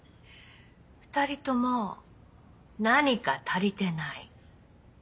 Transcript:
２人とも何か足りてない。